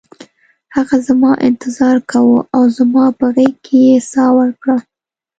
هغه زما انتظار کاوه او زما په غیږ کې یې ساه ورکړه